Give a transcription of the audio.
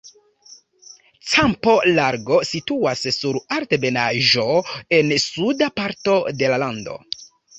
Campo Largo situas sur altebenaĵo en suda parto de la lando.